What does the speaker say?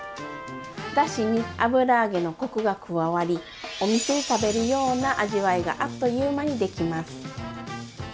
だしに油揚げのコクが加わりお店で食べるような味わいがあっという間にできます。